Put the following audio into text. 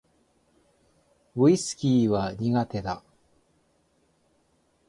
ウィスキーは苦手だ